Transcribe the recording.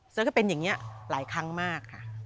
แล้วก็เป็นอย่างนี้หลายครั้งมากค่ะ